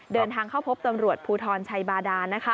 เดินทางเข้าพบตำรวจภูทรชัยบาดาน